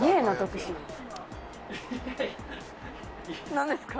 何ですか？